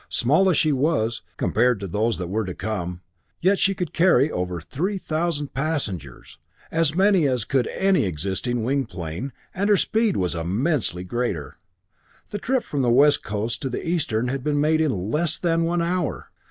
Small as she was, compared to those that were to come, yet she could carry over three thousand passengers, as many as could any existing winged plane, and her speed was immensely greater. The trip from the west coast to the eastern had been made in less than one hour.